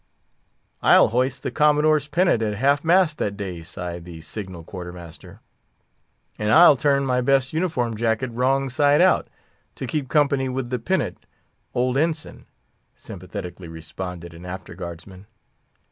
"I'll hoist the Commodore's pennant at half mast that day," sighed the signal quarter master. "And I'll turn my best uniform jacket wrong side out, to keep company with the pennant, old Ensign," sympathetically responded an after guard's man.